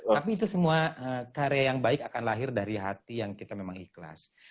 tapi itu semua karya yang baik akan lahir dari hati yang kita memang ikhlas